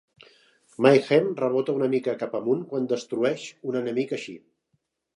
Mayhem rebota una mica cap amunt quan destrueix un enemic així.